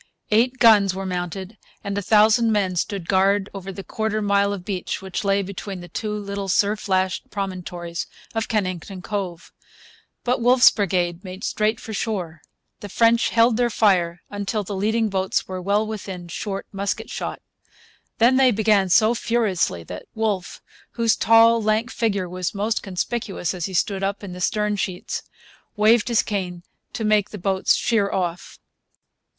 Eight guns were mounted and a thousand men stood guard over the quarter mile of beach which lay between the two little surf lashed promontories of Kennington Cove. But Wolfe's brigade made straight for shore. The French held their fire until the leading boats were well within short musket shot. Then they began so furiously that Wolfe, whose tall, lank figure was most conspicuous as he stood up in the stern sheets, waved his cane to make the boats sheer off.